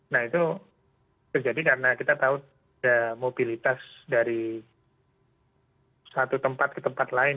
nah itu terjadi karena kita tahu ada mobilitas dari satu tempat ke tempat lain